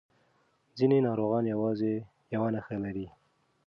ځینې ناروغان یوازې یو نښه لري.